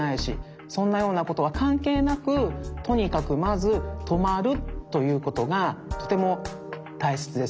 そんなようなことはかんけいなくとにかくまずとまるということがとてもたいせつですね。